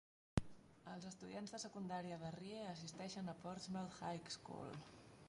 Els estudiants de secundària de Rye assisteixen a Portsmouth High School.